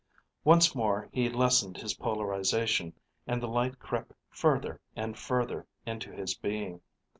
Once more he lessened his polarization, and the light crept further and further into his being.